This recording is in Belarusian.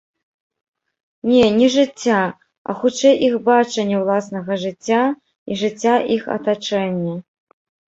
Не, не жыцця, а хутчэй іх бачання ўласнага жыцця і жыцця іх атачэння.